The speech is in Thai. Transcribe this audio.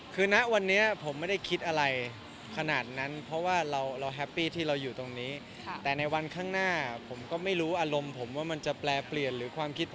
คือเขาคิดว่าถ้าเรามีความสุขเขาก็มีความสุข